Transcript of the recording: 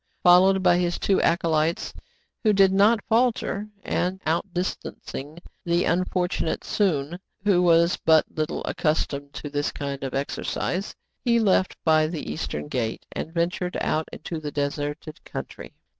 Followed by his two acolytes, who did not falter, and outdistancing the unfortunate Soun, who was but little accustomed to this kind of ex ercise, he left by the eastern gate, and ventured out into the deserted country.